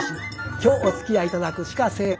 今日おつきあい頂く「鹿政談」。